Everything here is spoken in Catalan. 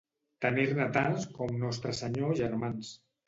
Tenir-ne tants com Nostre Senyor germans.